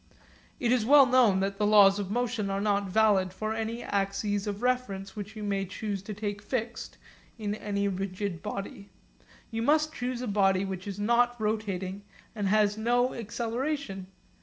It is well known that the laws of motion are not valid for any axes of reference which you may choose to take fixed in any rigid body. You must choose a body which is not rotating and has no acceleration.